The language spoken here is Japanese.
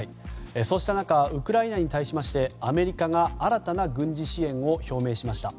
そうした中ウクライナに対しましてアメリカが新たな軍事支援を表明しました。